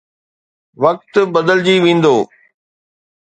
وقت بدلجي ويندو.